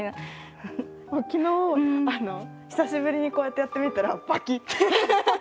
昨日久しぶりにこうやってやってみたらバキッて。ハハハハ！